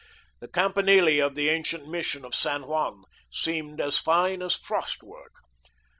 The campanile of the ancient Mission of San Juan seemed as fine as frost work.